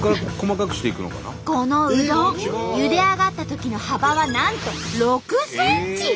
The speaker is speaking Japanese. このうどんゆで上がったときの幅はなんと６ｃｍ！